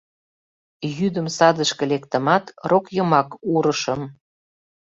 Йӱдым садышке лектымат, рок йымак урышым.